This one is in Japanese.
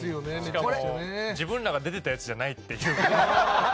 自分らが出てたやつじゃないっていう。